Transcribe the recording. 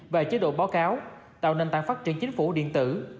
và chế độ báo cáo tạo nền tảng phát triển chính phủ điện tử